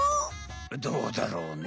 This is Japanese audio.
どうだろうね？